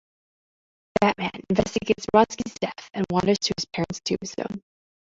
Batman investigates Bronski's death and wanders to his parents' tombstone.